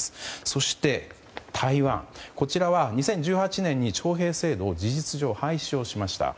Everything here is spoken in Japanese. そして、台湾は２０１８年に徴兵制度を事実上廃止しました。